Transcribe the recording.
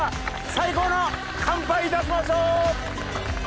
最高の乾杯いたしましょう！